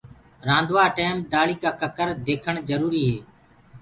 رآندوآ ٽيم دآݪي ڪآ ڪڪر ديکڻ جروري هي۔